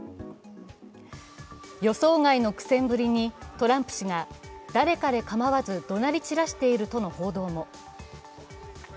予想外の苦戦ぶりにトランプ氏が誰かれ構わずどなり散らしているとの報道も。